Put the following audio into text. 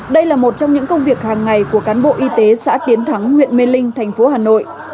đây là một trong những công việc hàng ngày của cán bộ y tế xã tiến thắng huyện mê linh thành phố hà nội